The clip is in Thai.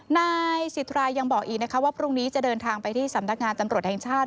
นายสิทรายังบอกอีกนะคะว่าพรุ่งนี้จะเดินทางไปที่สำนักงานตำรวจแห่งชาติ